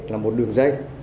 là một đường dây